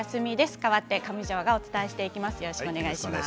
代わって上條がお伝えします。